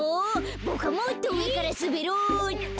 ボクはもっとうえからすべろうっと。